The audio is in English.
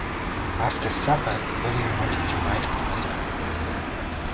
After supper William wanted to write a letter.